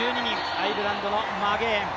アイルランドのマゲエン。